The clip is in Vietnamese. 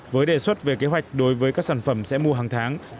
với đề xuất về kế hoạch đối với các sản phẩm sẽ mua hàng tháng